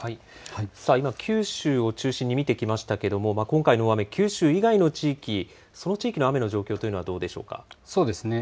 九州を中心に見てきましたけれども今回の大雨、九州以外の地域、その地域の雨の状況というのはどうでしょうか。